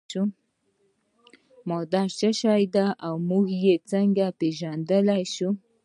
ماده څه شی ده او موږ یې څنګه پیژندلی شو